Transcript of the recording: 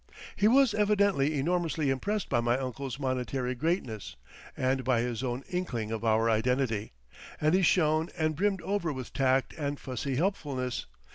He was evidently enormously impressed by my uncle's monetary greatness, and by his own inkling of our identity, and he shone and brimmed over with tact and fussy helpfulness.